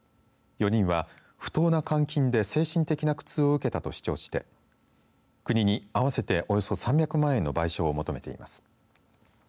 ４人は不当な監禁で精神的な苦痛を受けたと主張して国に合わせておよそ３００万円の賠償を求めています。